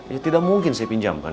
ya tidak mungkin saya pinjamkan